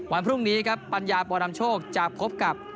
วันพรุ่งนี้ครับปัญญาปรดำโชคจะพบกับ